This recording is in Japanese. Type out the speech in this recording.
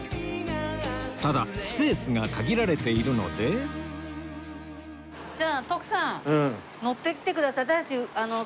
ただスペースが限られているのでじゃあ徳さん乗ってきてください。